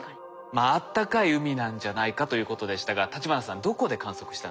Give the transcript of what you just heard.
まあ「暖かい海なんじゃないか」ということでしたが立花さんどこで観測したんでしょうか？